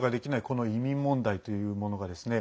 この移民問題というものがですね